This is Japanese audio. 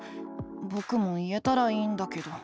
ぼくも言えたらいいんだけど。